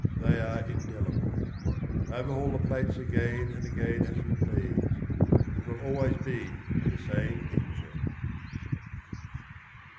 They are indelible. Overhaul the plates again and again as we please, it will always be the same picture.